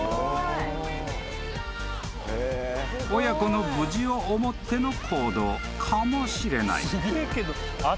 ［親子の無事を思っての行動かもしれない］